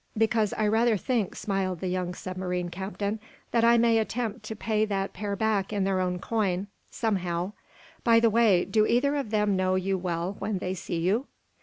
"Because I rather think," smiled the young submarine captain, "that I may attempt to pay that pair back in their own coin somehow. By the way, do either of them know you well when they see you?"